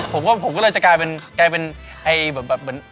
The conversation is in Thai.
ผมก็เลยจะกลายเป็นแบบ